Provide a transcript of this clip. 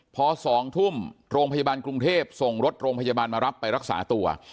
พอ๒ทุ่มโรงพยาบาลกรุงเทพส่งรถโรงพยาบาลมารับไปรักษาตัว